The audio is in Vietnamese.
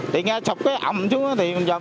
thì nghe chụp cái âm xuống ra thì chúng ta đi vòng